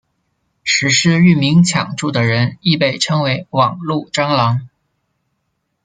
实施域名抢注的人亦被称为网路蟑螂。